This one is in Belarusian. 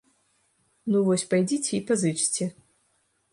Ну вось, пайдзіце і пазычце.